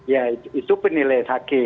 ya itu penilaian hakim